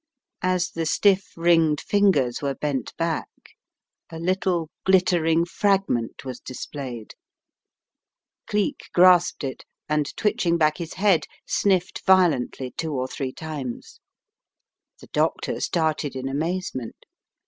As the stiff ringed fingers were bent back, a little glittering fragment was displayed. Cleek grasped it, and twitching back his head sniffed violently two or three times. The doctor started in amazement.